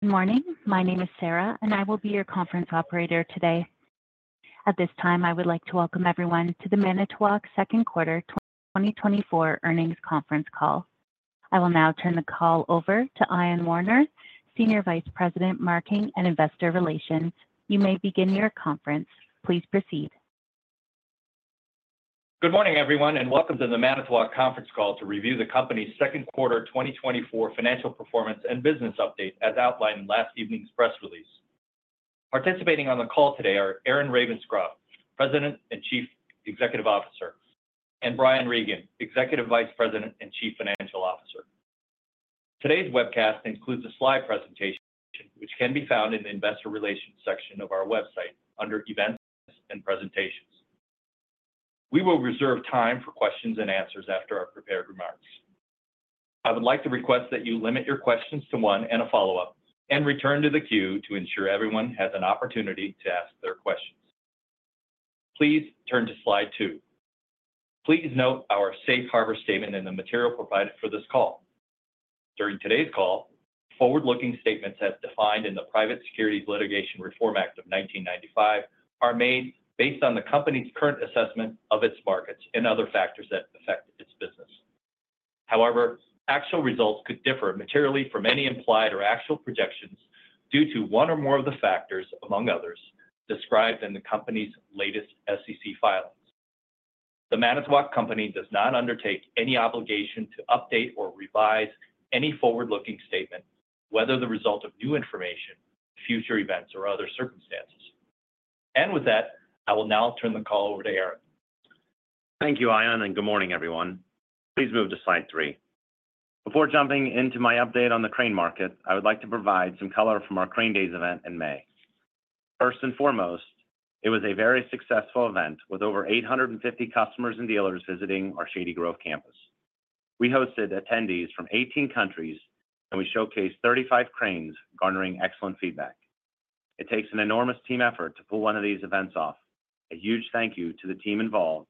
Good morning. My name is Sarah, and I will be your conference operator today. At this time, I would like to welcome everyone to the Manitowoc Second Quarter 2024 earnings conference call. I will now turn the call over to Ion Warner, Senior Vice President, Marketing and Investor Relations. You may begin your conference. Please proceed. Good morning, everyone, and welcome to the Manitowoc conference call to review the company's Second Quarter 2024 financial performance and business update as outlined in last evening's press release. Participating on the call today are Aaron Ravenscroft, President and Chief Executive Officer, and Brian Regan, Executive Vice President and Chief Financial Officer. Today's webcast includes a slide presentation, which can be found in the Investor Relations section of our website under Events and Presentations. We will reserve time for questions and answers after our prepared remarks. I would like to request that you limit your questions to one and a follow-up, and return to the queue to ensure everyone has an opportunity to ask their questions. Please turn to slide two. Please note our safe harbor statement and the material provided for this call. During today's call, forward-looking statements as defined in the Private Securities Litigation Reform Act of 1995 are made based on the company's current assessment of its markets and other factors that affect its business. However, actual results could differ materially from any implied or actual projections due to one or more of the factors, among others, described in the company's latest SEC filings. The Manitowoc Company does not undertake any obligation to update or revise any forward-looking statement, whether the result of new information, future events, or other circumstances. With that, I will now turn the call over to Aaron. Thank you, Ion, and good morning, everyone. Please move to slide three. Before jumping into my update on the crane market, I would like to provide some color from our Crane Days event in May. First and foremost, it was a very successful event with over 850 customers and dealers visiting our Shady Grove campus. We hosted attendees from 18 countries, and we showcased 35 cranes garnering excellent feedback. It takes an enormous team effort to pull one of these events off. A huge thank you to the team involved,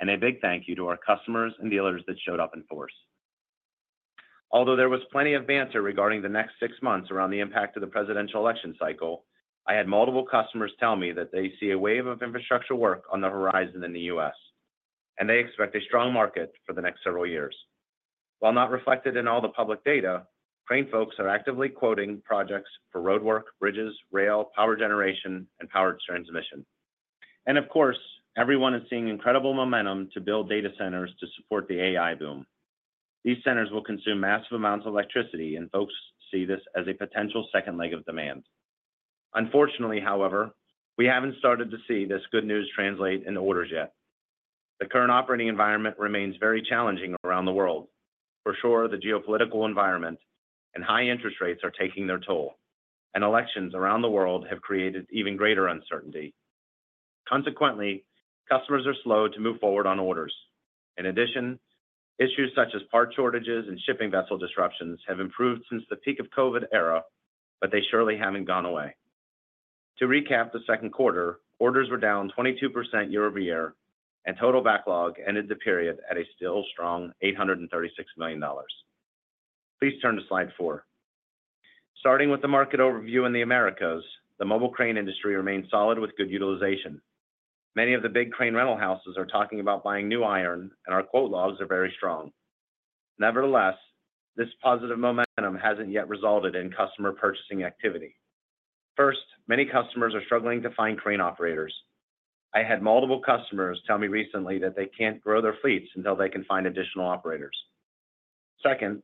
and a big thank you to our customers and dealers that showed up in force. Although there was plenty of banter regarding the next six months around the impact of the presidential election cycle, I had multiple customers tell me that they see a wave of infrastructure work on the horizon in the U.S., and they expect a strong market for the next several years. While not reflected in all the public data, crane folks are actively quoting projects for roadwork, bridges, rail, power generation, and power transmission. Of course, everyone is seeing incredible momentum to build data centers to support the AI boom. These centers will consume massive amounts of electricity, and folks see this as a potential second leg of demand. Unfortunately, however, we haven't started to see this good news translate into orders yet. The current operating environment remains very challenging around the world. For sure, the geopolitical environment and high interest rates are taking their toll, and elections around the world have created even greater uncertainty. Consequently, customers are slow to move forward on orders. In addition, issues such as part shortages and shipping vessel disruptions have improved since the peak of the COVID era, but they surely haven't gone away. To recap the second quarter, orders were down 22% year-over-year, and total backlog ended the period at a still strong $836 million. Please turn to slide four. Starting with the market overview in the Americas, the mobile crane industry remains solid with good utilization. Many of the big crane rental houses are talking about buying new iron, and our quote logs are very strong. Nevertheless, this positive momentum hasn't yet resulted in customer purchasing activity. First, many customers are struggling to find crane operators. I had multiple customers tell me recently that they can't grow their fleets until they can find additional operators. Second,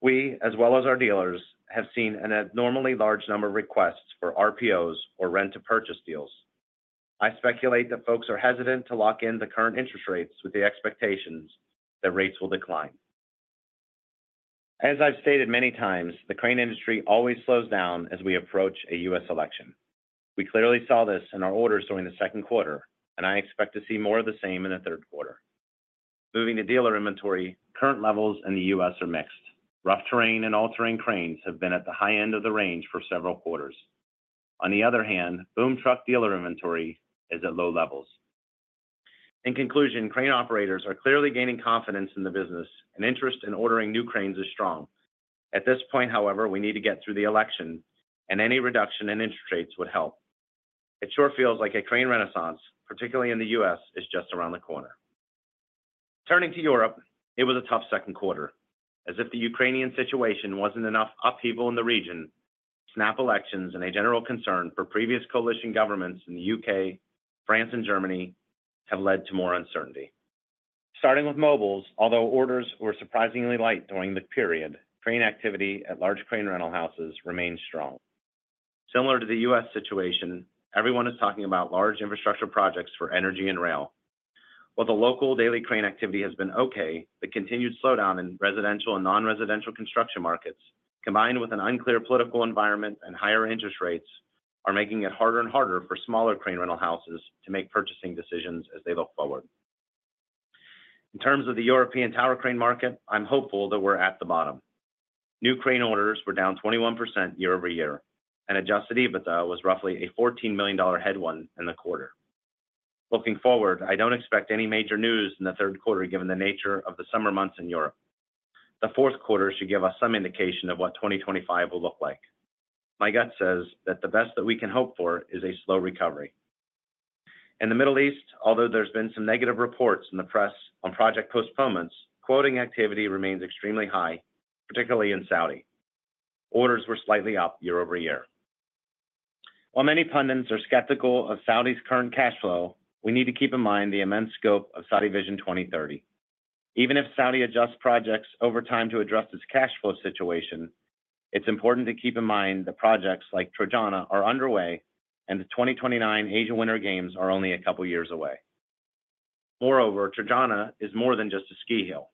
we, as well as our dealers, have seen an abnormally large number of requests for RPOs or rent-to-purchase deals. I speculate that folks are hesitant to lock in the current interest rates with the expectation that rates will decline. As I've stated many times, the crane industry always slows down as we approach a U.S. election. We clearly saw this in our orders during the second quarter, and I expect to see more of the same in the third quarter. Moving to dealer inventory, current levels in the U.S. are mixed. Rough terrain and all-terrain cranes have been at the high end of the range for several quarters. On the other hand, boom truck dealer inventory is at low levels. In conclusion, crane operators are clearly gaining confidence in the business, and interest in ordering new cranes is strong. At this point, however, we need to get through the election, and any reduction in interest rates would help. It sure feels like a crane renaissance, particularly in the U.S., is just around the corner. Turning to Europe, it was a tough second quarter. As if the Ukrainian situation wasn't enough upheaval in the region, snap elections, and a general concern for previous coalition governments in the U.K., France, and Germany have led to more uncertainty. Starting with mobiles, although orders were surprisingly light during the period, crane activity at large crane rental houses remained strong. Similar to the U.S. situation, everyone is talking about large infrastructure projects for energy and rail. While the local daily crane activity has been okay, the continued slowdown in residential and non-residential construction markets, combined with an unclear political environment and higher interest rates, are making it harder and harder for smaller crane rental houses to make purchasing decisions as they look forward. In terms of the European tower crane market, I'm hopeful that we're at the bottom. New crane orders were down 21% year-over-year, and Adjusted EBITDA was roughly a $14 million headwind in the quarter. Looking forward, I don't expect any major news in the third quarter given the nature of the summer months in Europe. The fourth quarter should give us some indication of what 2025 will look like. My gut says that the best that we can hope for is a slow recovery. In the Middle East, although there's been some negative reports in the press on project postponements, quoting activity remains extremely high, particularly in Saudi. Orders were slightly up year over year. While many pundits are skeptical of Saudi's current cash flow, we need to keep in mind the immense scope of Saudi Vision 2030. Even if Saudi adjusts projects over time to address its cash flow situation, it's important to keep in mind that projects like Trojana are underway, and the 2029 Asian Winter Games are only a couple of years away. Moreover, Trojana is more than just a ski hill.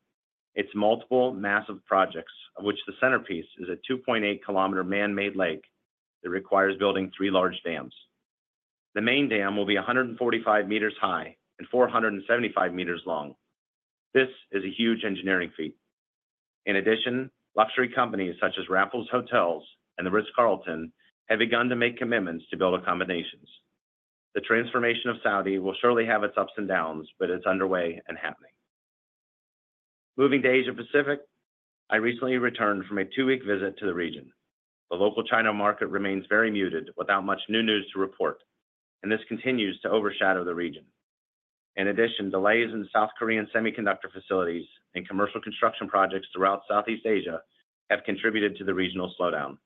It's multiple massive projects, of which the centerpiece is a 2.8 km man-made lake that requires building three large dams. The main dam will be 145 m high and 475 m long. This is a huge engineering feat. In addition, luxury companies such as Raffles Hotels & Resorts and The Ritz-Carlton have begun to make commitments to build accommodations. The transformation of Saudi Arabia will surely have its ups and downs, but it's underway and happening. Moving to Asia Pacific, I recently returned from a two-week visit to the region. The local China market remains very muted without much new news to report, and this continues to overshadow the region. In addition, delays in South Korean semiconductor facilities and commercial construction projects throughout Southeast Asia have contributed to the regional slowdown.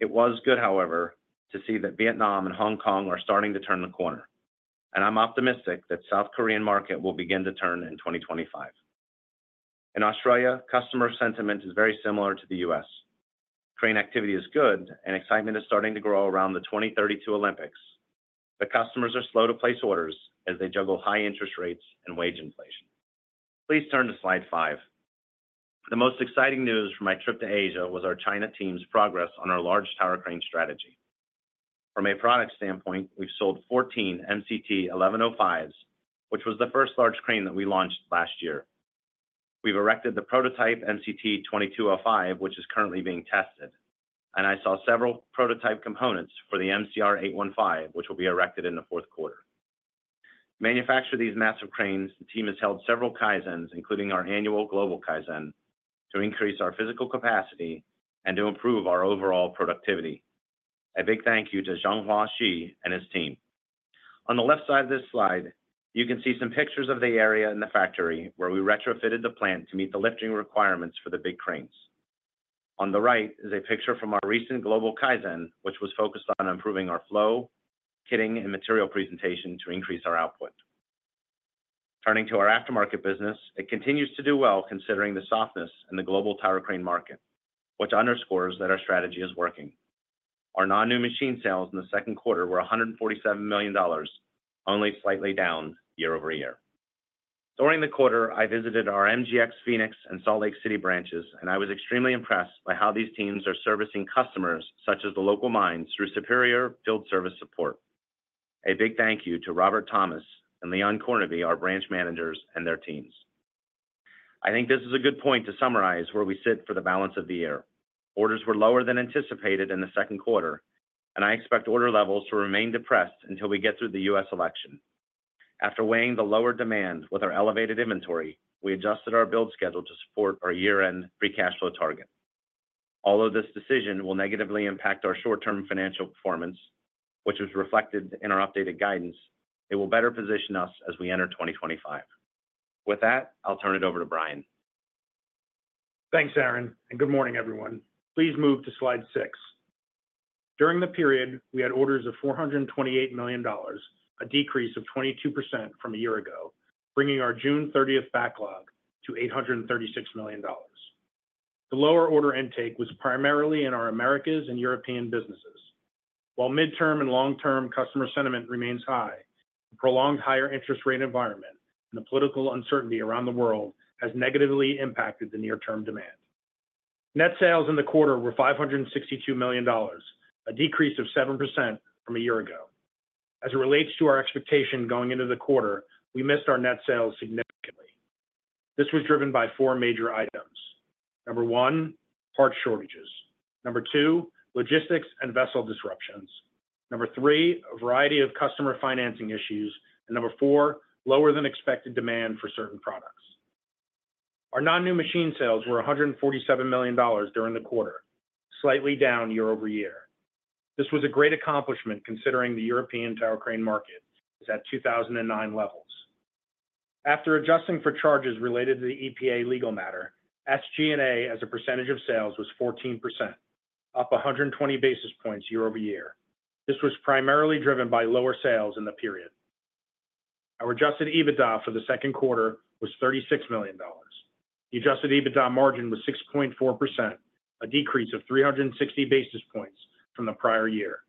It was good, however, to see that Vietnam and Hong Kong are starting to turn the corner, and I'm optimistic that the South Korean market will begin to turn in 2025. In Australia, customer sentiment is very similar to the U.S. Crane activity is good, and excitement is starting to grow around the 2032 Olympics. Customers are slow to place orders as they juggle high interest rates and wage inflation. Please turn to slide 5. The most exciting news from my trip to Asia was our China team's progress on our large tower crane strategy. From a product standpoint, we've sold 14 MCT 1105s, which was the first large crane that we launched last year. We've erected the prototype MCT 2205, which is currently being tested, and I saw several prototype components for the MCR 815, which will be erected in the fourth quarter. To manufacture these massive cranes, the team has held several kaizens, including our Annual Global Kaizen, to increase our physical capacity and to improve our overall productivity. A big thank you to Zheng Huaxi and his team. On the left side of this slide, you can see some pictures of the area in the factory where we retrofitted the plant to meet the lifting requirements for the big cranes. On the right is a picture from our recent global Kaizen, which was focused on improving our flow, kitting, and material presentation to increase our output. Turning to our aftermarket business, it continues to do well considering the softness in the global tower crane market, which underscores that our strategy is working. Our non-new machine sales in the second quarter were $147 million, only slightly down year-over-year. During the quarter, I visited our MGX Phoenix and Salt Lake City branches, and I was extremely impressed by how these teams are servicing customers such as the local mines through superior field service support. A big thank you to Robert Thomas and Leon Conneely, our branch managers and their teams. I think this is a good point to summarize where we sit for the balance of the year. Orders were lower than anticipated in the second quarter, and I expect order levels to remain depressed until we get through the U.S. election. After weighing the lower demand with our elevated inventory, we adjusted our build schedule to support our year-end free cash flow target. Although this decision will negatively impact our short-term financial performance, which was reflected in our updated guidance, it will better position us as we enter 2025. With that, I'll turn it over to Brian. Thanks, Aaron, and good morning, everyone. Please move to slide 6. During the period, we had orders of $428 million, a decrease of 22% from a year ago, bringing our June 30th backlog to $836 million. The lower order intake was primarily in our Americas and European businesses. While midterm and long-term customer sentiment remains high, the prolonged higher interest rate environment and the political uncertainty around the world has negatively impacted the near-term demand. Net sales in the quarter were $562 million, a decrease of 7% from a year ago. As it relates to our expectation going into the quarter, we missed our net sales significantly. This was driven by 4 major items. Number 1, part shortages. Number 2, logistics and vessel disruptions. Number 3, a variety of customer financing issues. And number 4, lower than expected demand for certain products. Our non-new machine sales were $147 million during the quarter, slightly down year-over-year. This was a great accomplishment considering the European tower crane market is at 2009 levels. After adjusting for charges related to the EPA legal matter, SG&A as a percentage of sales was 14%, up 120 basis points year-over-year. This was primarily driven by lower sales in the period. Our adjusted EBITDA for the second quarter was $36 million. The adjusted EBITDA margin was 6.4%, a decrease of 360 basis points from the prior year.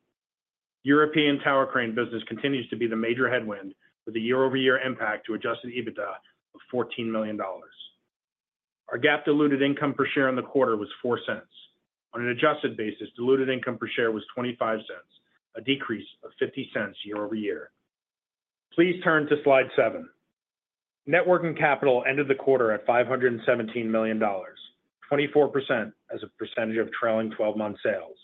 European tower crane business continues to be the major headwind, with a year-over-year impact to adjusted EBITDA of $14 million. Our GAAP-diluted income per share in the quarter was $0.04. On an adjusted basis, diluted income per share was $0.25, a decrease of $0.50 year-over-year. Please turn to slide 7. Net working capital ended the quarter at $517 million, 24% as a percentage of trailing 12-month sales.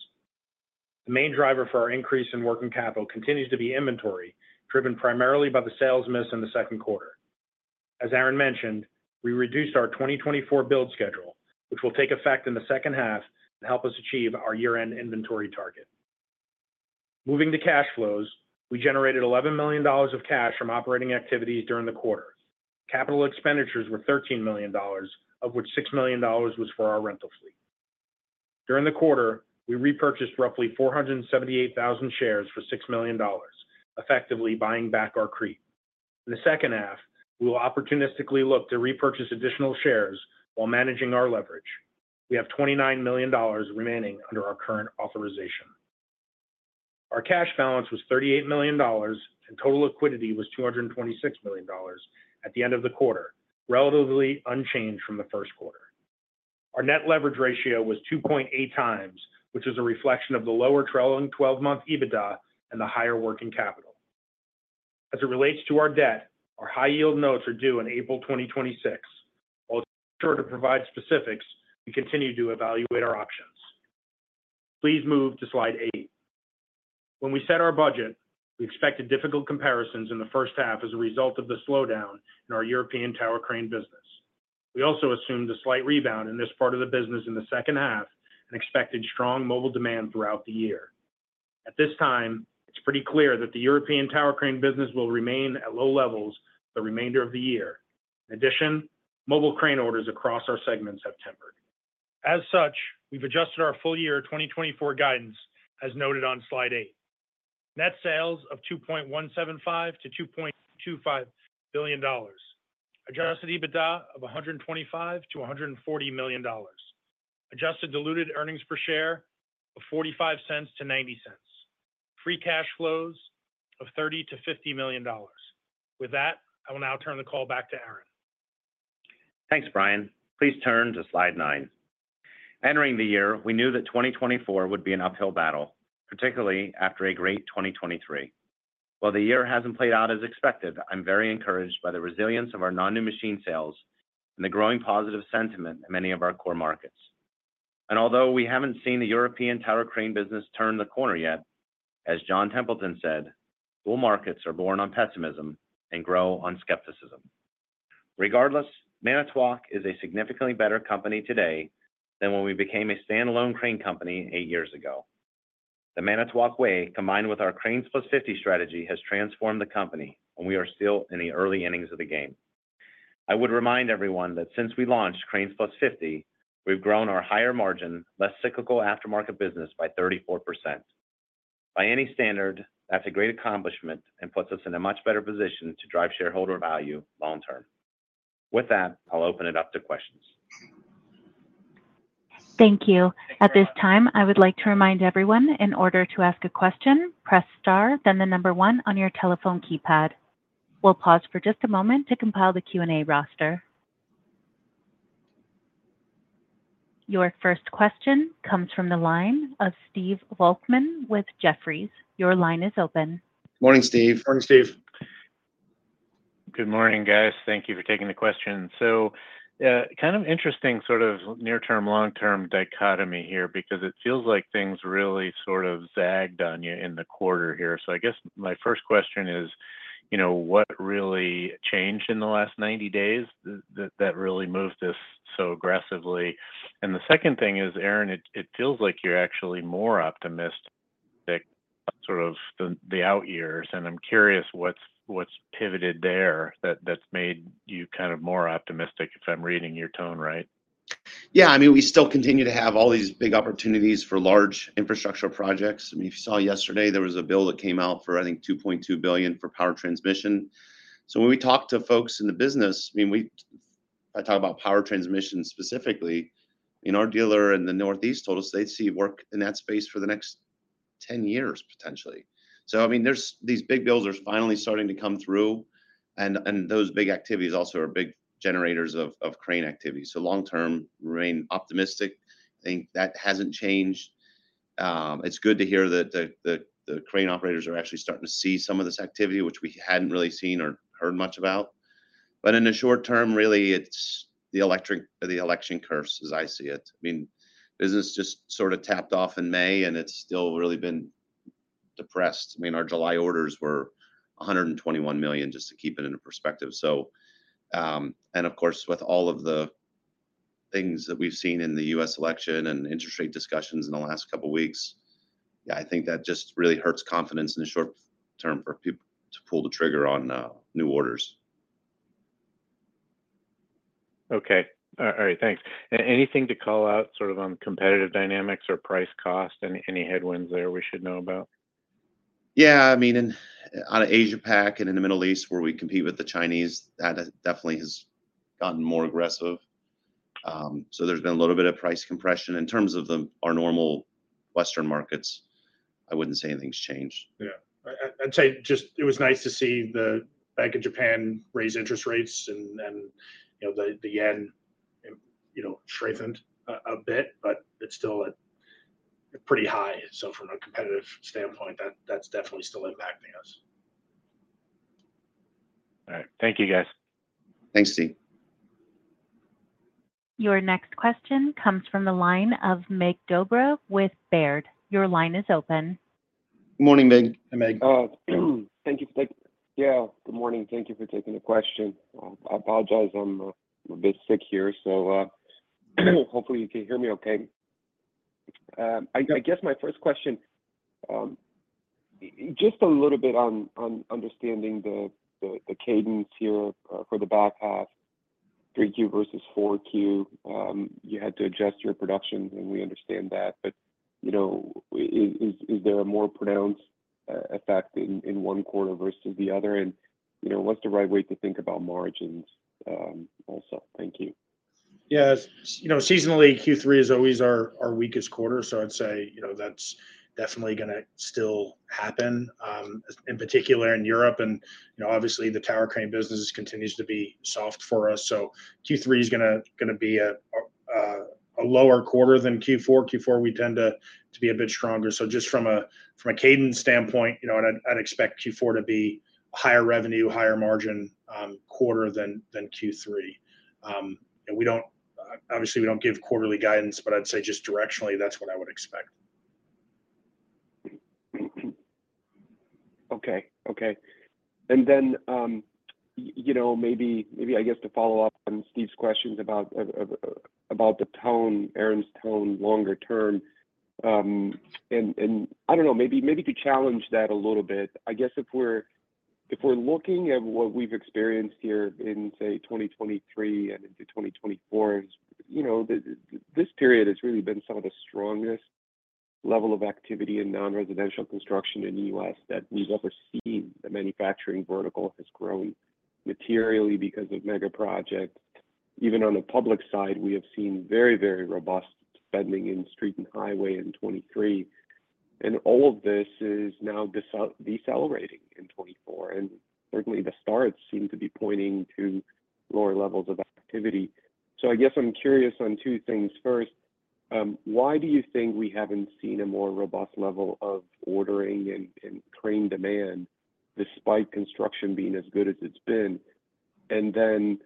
The main driver for our increase in working capital continues to be inventory, driven primarily by the sales miss in the second quarter. As Aaron mentioned, we reduced our 2024 build schedule, which will take effect in the second half to help us achieve our year-end inventory target. Moving to cash flows, we generated $11 million of cash from operating activities during the quarter. Capital expenditures were $13 million, of which $6 million was for our rental fleet. During the quarter, we repurchased roughly 478,000 shares for $6 million, effectively buying back our creep. In the second half, we will opportunistically look to repurchase additional shares while managing our leverage. We have $29 million remaining under our current authorization. Our cash balance was $38 million, and total liquidity was $226 million at the end of the quarter, relatively unchanged from the first quarter. Our net leverage ratio was 2.8x, which is a reflection of the lower trailing 12-month EBITDA and the higher working capital. As it relates to our debt, our high-yield notes are due in April 2026. While short to provide specifics, we continue to evaluate our options. Please move to slide eight. When we set our budget, we expected difficult comparisons in the first half as a result of the slowdown in our European tower crane business. We also assumed a slight rebound in this part of the business in the second half and expected strong mobile demand throughout the year. At this time, it's pretty clear that the European tower crane business will remain at low levels the remainder of the year. In addition, mobile crane orders across our segment have tempered. As such, we've adjusted our full year 2024 guidance as noted on slide 8. Net sales of $2.175-$2.25 billion, adjusted EBITDA of $125-$140 million, adjusted diluted earnings per share of $0.45-$0.90, free cash flows of $30-$50 million. With that, I will now turn the call back to Aaron. Thanks, Brian. Please turn to slide 9. Entering the year, we knew that 2024 would be an uphill battle, particularly after a great 2023. While the year hasn't played out as expected, I'm very encouraged by the resilience of our non-new machine sales and the growing positive sentiment in many of our core markets. Although we haven't seen the European tower crane business turn the corner yet, as John Templeton said, "Bull markets are born on pessimism and grow on skepticism." Regardless, Manitowoc is a significantly better company today than when we became a standalone crane company eight years ago. The Manitowoc Way, combined with our Cranes+50 strategy, has transformed the company, and we are still in the early innings of the game. I would remind everyone that since we launched Cranes+50, we've grown our higher margin, less cyclical aftermarket business by 34%. By any standard, that's a great accomplishment and puts us in a much better position to drive shareholder value long-term. With that, I'll open it up to questions. Thank you. At this time, I would like to remind everyone, in order to ask a question, press star, then the number one on your telephone keypad. We'll pause for just a moment to compile the Q&A roster. Your first question comes from the line of Steve Volkmann with Jefferies. Your line is open. Morning, Steve. Morning, Steve. Good morning, guys. Thank you for taking the question. So, kind of interesting sort of near-term, long-term dichotomy here because it feels like things really sort of zagged on you in the quarter here. So I guess my first question is, what really changed in the last 90 days that really moved this so aggressively? And the second thing is, Aaron, it feels like you're actually more optimistic sort of the out years. And I'm curious what's pivoted there that's made you kind of more optimistic, if I'm reading your tone right. Yeah, I mean, we still continue to have all these big opportunities for large infrastructure projects. I mean, if you saw yesterday, there was a bill that came out for, I think, $2.2 billion for power transmission. So when we talk to folks in the business, I mean, I talk about power transmission specifically, I mean, our dealer in the Northeast told us they'd see work in that space for the next 10 years, potentially. So, I mean, these big builds are finally starting to come through, and those big activities also are big generators of crane activity. So, long-term, remain optimistic. I think that hasn't changed. It's good to hear that the crane operators are actually starting to see some of this activity, which we hadn't really seen or heard much about. But in the short term, really, it's the election curse, as I see it. I mean, business just sort of tapped off in May, and it's still really been depressed. I mean, our July orders were $121 million, just to keep it in perspective. So, and of course, with all of the things that we've seen in the U.S. election and interest rate discussions in the last couple of weeks, yeah, I think that just really hurts confidence in the short term for people to pull the trigger on new orders. Okay. All right, thanks. Anything to call out sort of on competitive dynamics or price cost? Any headwinds there we should know about? Yeah, I mean, on Asia-Pac and in the Middle East, where we compete with the Chinese, that definitely has gotten more aggressive. So there's been a little bit of price compression. In terms of our normal Western markets, I wouldn't say anything's changed. Yeah. I'd say just it was nice to see the Bank of Japan raise interest rates and the yen strengthened a bit, but it's still pretty high. So from a competitive standpoint, that's definitely still impacting us. All right. Thank you, guys. Thanks, Steve. Your next question comes from the line of Mircea Dobre with Baird. Your line is open. Good morning, Mig. Thank you for taking, yeah, good morning. Thank you for taking the question. I apologize. I'm a bit sick here, so hopefully you can hear me okay. I guess my first question, just a little bit on understanding the cadence here for the back half, 3Q versus 4Q. You had to adjust your production, and we understand that. But is there a more pronounced effect in one quarter versus the other? And what's the right way to think about margins also? Thank you. Yeah, seasonally, Q3 is always our weakest quarter. So I'd say that's definitely going to still happen, in particular in Europe. And obviously, the tower crane business continues to be soft for us. So Q3 is going to be a lower quarter than Q4. Q4, we tend to be a bit stronger. So just from a cadence standpoint, I'd expect Q4 to be a higher revenue, higher margin quarter than Q3. Obviously, we don't give quarterly guidance, but I'd say just directionally, that's what I would expect. Okay. Okay. And then maybe, I guess, to follow up on Steve's questions about the tone, Aaron's tone longer term, and I don't know, maybe to challenge that a little bit, I guess if we're looking at what we've experienced here in, say, 2023 and into 2024, this period has really been some of the strongest level of activity in non-residential construction in the U.S. that we've ever seen. The manufacturing vertical has grown materially because of mega projects. Even on the public side, we have seen very, very robust spending in street and highway in 2023. And all of this is now decelerating in 2024. And certainly, the stars seem to be pointing to lower levels of activity. So I guess I'm curious on two things. First, why do you think we haven't seen a more robust level of ordering and crane demand despite construction being as good as it's been? And then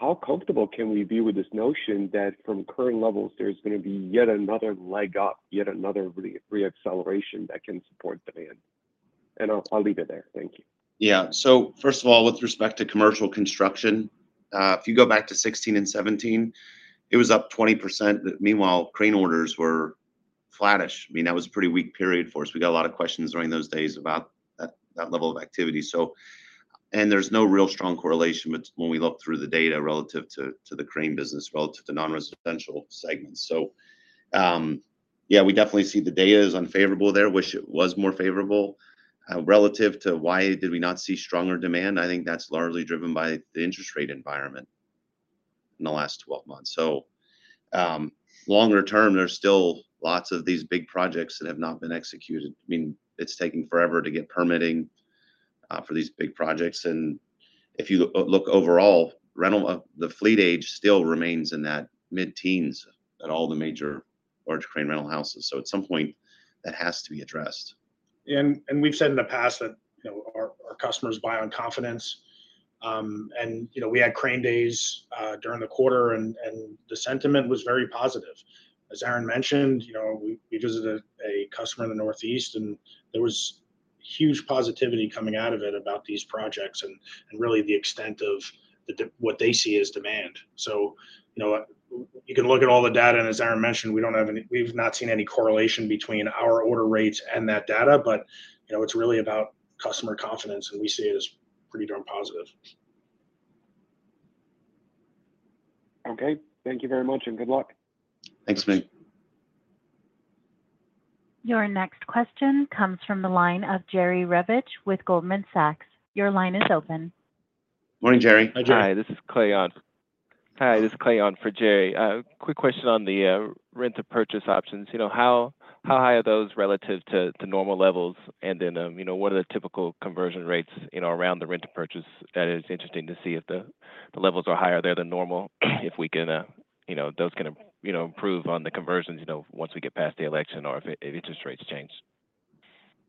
how comfortable can we be with this notion that from current levels, there's going to be yet another leg up, yet another reacceleration that can support demand? And I'll leave it there. Thank you. Yeah. So first of all, with respect to commercial construction, if you go back to 2016 and 2017, it was up 20%. Meanwhile, crane orders were flattish. I mean, that was a pretty weak period for us. We got a lot of questions during those days about that level of activity. And there's no real strong correlation when we look through the data relative to the crane business, relative to non-residential segments. So yeah, we definitely see the data is unfavorable there. I wish it was more favorable. Relative to why did we not see stronger demand? I think that's largely driven by the interest rate environment in the last 12 months. So longer term, there's still lots of these big projects that have not been executed. I mean, it's taking forever to get permitting for these big projects. If you look overall, the fleet age still remains in that mid-teens at all the major large crane rental houses. At some point, that has to be addressed. We've said in the past that our customers buy on confidence. We had crane days during the quarter, and the sentiment was very positive. As Aaron mentioned, we visited a customer in the Northeast, and there was huge positivity coming out of it about these projects and really the extent of what they see as demand. You can look at all the data. As Aaron mentioned, we've not seen any correlation between our order rates and that data, but it's really about customer confidence, and we see it as pretty darn positive. Okay. Thank you very much, and good luck. Thanks, Mig. Your next question comes from the line of Jerry Revich with Goldman Sachs. Your line is open. Morning, Jerry. Hi, this is Clay on. Hi, this is Clay on for Jerry. Quick question on the rent-to-purchase options. How high are those relative to normal levels? And then what are the typical conversion rates around the rent-to-purchase? That is interesting to see if the levels are higher there than normal, if we can, those can improve on the conversions once we get past the election or if interest rates change.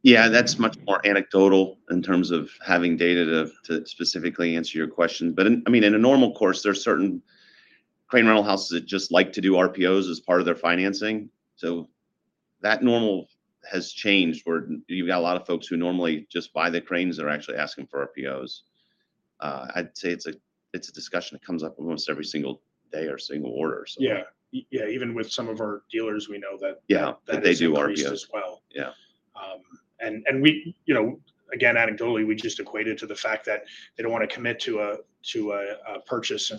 Yeah, that's much more anecdotal in terms of having data to specifically answer your question. But I mean, in a normal course, there are certain crane rental houses that just like to do RPOs as part of their financing. So that normal has changed where you've got a lot of folks who normally just buy the cranes that are actually asking for RPOs. I'd say it's a discussion that comes up almost every single day or single order. Yeah. Yeah. Even with some of our dealers, we know that. Yeah, that they do RPOs. They do RPOs as well. Yeah. And again, anecdotally, we just equate it to the fact that they don't want to commit to a purchase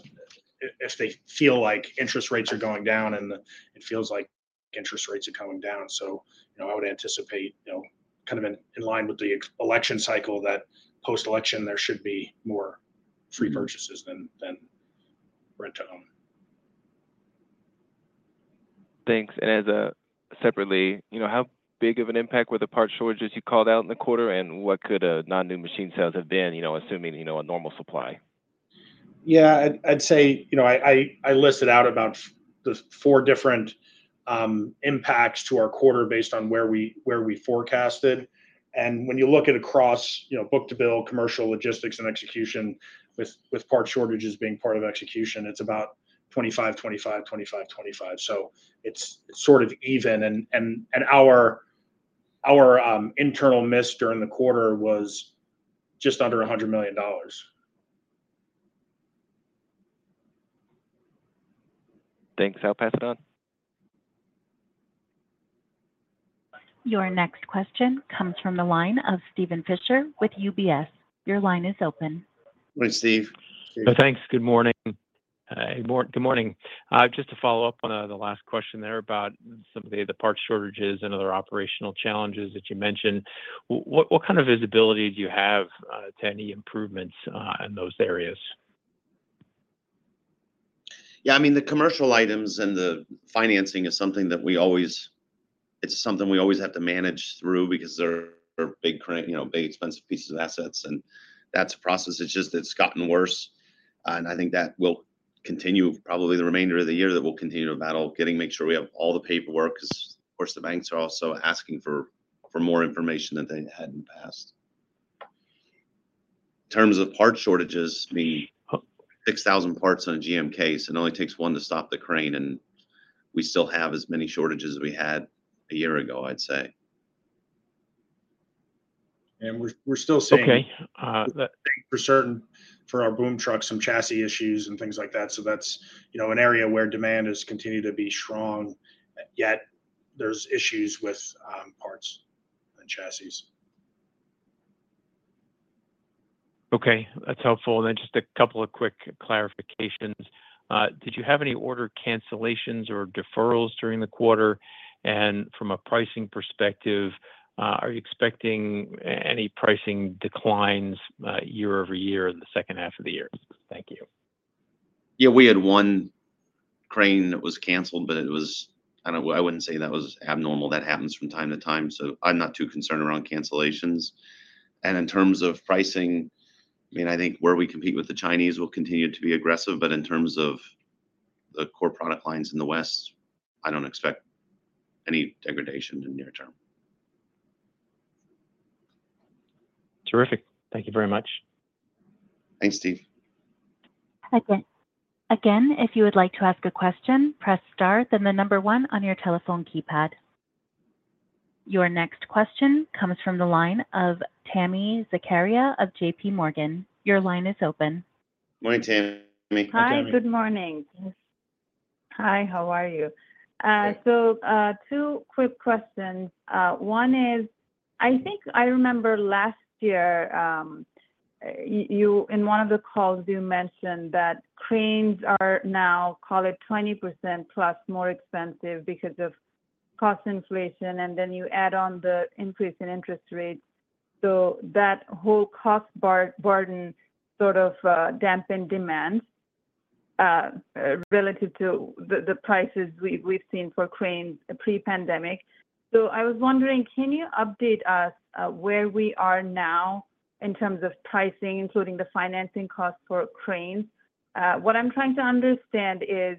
if they feel like interest rates are going down and it feels like interest rates are coming down. So I would anticipate kind of in line with the election cycle that post-election, there should be more free purchases than rent-to-own. Thanks. And separately, how big of an impact were the part shortages you called out in the quarter, and what could non-new machine sales have been, assuming a normal supply? Yeah, I'd say I listed out about the 4 different impacts to our quarter based on where we forecasted. When you look at across book-to-bill, commercial, logistics, and execution, with part shortages being part of execution, it's about 25, 25, 25, 25. It's sort of even. Our internal miss during the quarter was just under $100 million. Thanks. I'll pass it on. Your next question comes from the line of Steven Fisher with UBS. Your line is open. Morning, Steve. Thanks. Good morning. Good morning. Just to follow up on the last question there about some of the part shortages and other operational challenges that you mentioned, what kind of visibility do you have to any improvements in those areas? Yeah. I mean, the commercial items and the financing is something that we always, it's something we always have to manage through because they're big, expensive pieces of assets. That's a process. It's just it's gotten worse. I think that will continue probably the remainder of the year. That we'll continue to battle getting to make sure we have all the paperwork because, of course, the banks are also asking for more information than they had in the past. In terms of part shortages, I mean, 6,000 parts on a GMK, so it only takes one to stop the crane. We still have as many shortages as we had a year ago, I'd say. We're still seeing. Okay. For our boom trucks, some chassis issues and things like that. That's an area where demand has continued to be strong, yet there's issues with parts and chassis. Okay. That's helpful. And then just a couple of quick clarifications. Did you have any order cancellations or deferrals during the quarter? And from a pricing perspective, are you expecting any pricing declines year-over-year in the second half of the year? Thank you. Yeah. We had one crane that was canceled, but it was—I wouldn't say that was abnormal. That happens from time to time. So I'm not too concerned around cancellations. And in terms of pricing, I mean, I think where we compete with the Chinese will continue to be aggressive. But in terms of the core product lines in the West, I don't expect any degradation in the near term. Terrific. Thank you very much. Thanks, Steve. Again, if you would like to ask a question, press star and the number one on your telephone keypad. Your next question comes from the line of Tami Zakaria of J.P. Morgan. Your line is open. Morning, Tami. Hi, good morning. Hi, how are you? So two quick questions. One is, I think I remember last year, in one of the calls, you mentioned that cranes are now, call it, 20%+ more expensive because of cost inflation. And then you add on the increase in interest rates. So that whole cost burden sort of dampened demand relative to the prices we've seen for cranes pre-pandemic. So I was wondering, can you update us where we are now in terms of pricing, including the financing cost for cranes? What I'm trying to understand is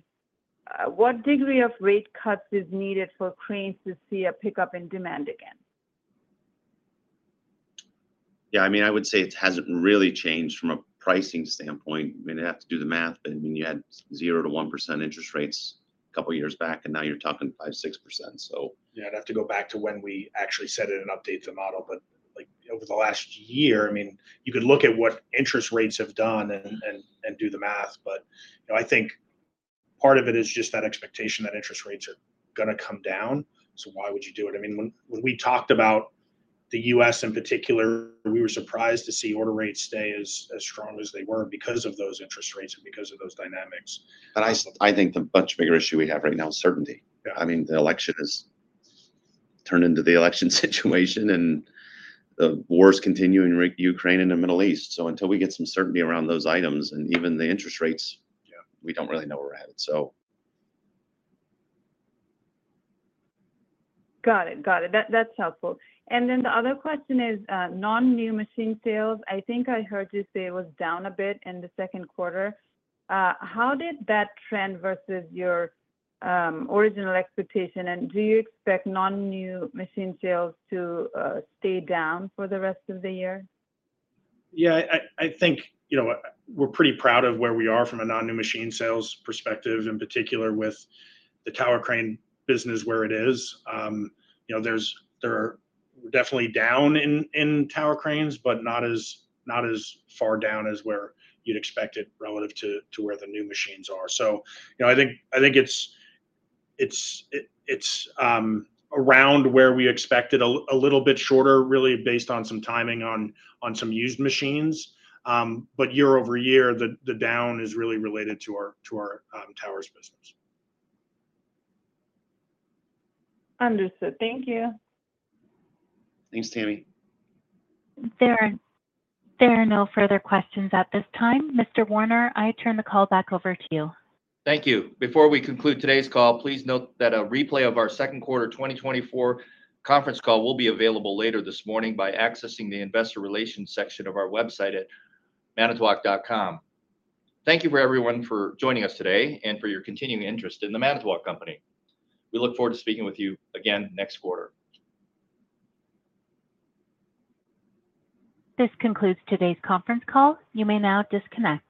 what degree of rate cuts is needed for cranes to see a pickup in demand again? Yeah. I mean, I would say it hasn't really changed from a pricing standpoint. I mean, I have to do the math. I mean, you had 0%-1% interest rates a couple of years back, and now you're talking 5%-6%, so. Yeah. I'd have to go back to when we actually set it and update the model. But over the last year, I mean, you could look at what interest rates have done and do the math. But I think part of it is just that expectation that interest rates are going to come down. So why would you do it? I mean, when we talked about the U.S. in particular, we were surprised to see order rates stay as strong as they were because of those interest rates and because of those dynamics. I think the much bigger issue we have right now is certainty. I mean, the election has turned into the election situation, and the war's continuing in Ukraine and the Middle East. So until we get some certainty around those items and even the interest rates, we don't really know where we're headed, so. Got it. Got it. That's helpful. And then the other question is non-new machine sales. I think I heard you say it was down a bit in the second quarter. How did that trend versus your original expectation? And do you expect non-new machine sales to stay down for the rest of the year? Yeah. I think we're pretty proud of where we are from a non-new machine sales perspective, in particular with the tower crane business where it is. We're definitely down in tower cranes, but not as far down as where you'd expect it relative to where the new machines are. So I think it's around where we expect it a little bit shorter, really based on some timing on some used machines. But year-over-year, the down is really related to our towers business. Understood. Thank you. Thanks, Tami. There are no further questions at this time. Mr. Warner, I turn the call back over to you. Thank you. Before we conclude today's call, please note that a replay of our second quarter 2024 conference call will be available later this morning by accessing the investor relations section of our website at manitowoc.com. Thank you for everyone for joining us today and for your continuing interest in the Manitowoc Company. We look forward to speaking with you again next quarter. This concludes today's conference call. You may now disconnect.